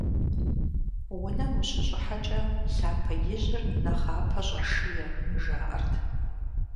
Унэм ущыщӀыхьэкӀэ лъапэ ижьыр нэхъапэ щӀэшие, жаӀэрт.